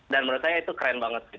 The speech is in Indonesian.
dan menurut saya itu keren banget sih